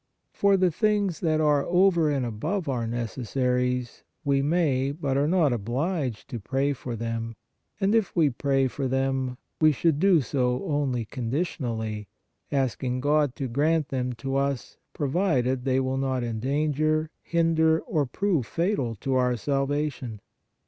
For the things that 140 PRAYER are over and above our necessaries, we may, but are not obliged to pray for them, and if we pray for them, we should do so only conditionally, asking God to grant them to us, provided they will not en danger, hinder or prove fatal to our salvation.